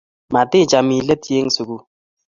Maticham iletyi eng' sukul